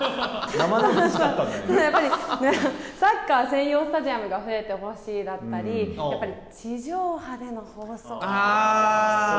生々したかったね、サッカー専用スタジアムが増えてほしいだったり、やっぱり地上波での放送が。